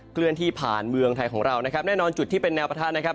เคลื่อนที่ผ่านเมืองไทยของเรานะครับแน่นอนจุดที่เป็นแนวประทะนะครับ